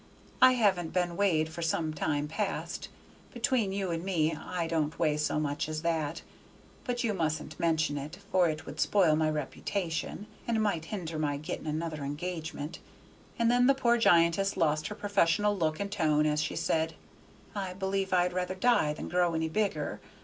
I haven't been weighed for some time past. Between you and me I don't weigh so much as that, but you mustn't mention it, for it would spoil my reputation, and might hender my getting another engagement." And then the poor giantess lost her professional look and tone as she said, "I believe I'd rather die than grow any bigger.